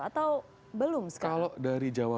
atau belum sekarang